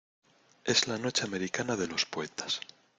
es la noche americana de los poetas.